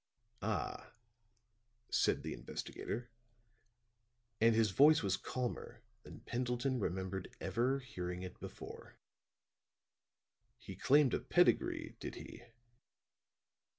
"Ah," said the investigator, and his voice was calmer than Pendleton remembered ever hearing it before, "he claimed a pedigree, did he?